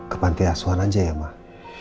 kepanti asuhan aja ya mbak